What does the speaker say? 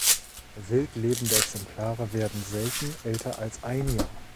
Wild lebende Exemplare werden selten älter als ein Jahr.